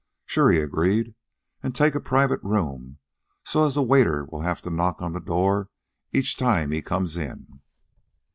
"Sure," he agreed, " an' take a private room so as the waiter'll have to knock on the door each time he comes in."